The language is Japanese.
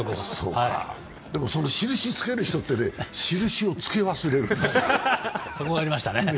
でも、その印をつける人って印をつけ忘れるの。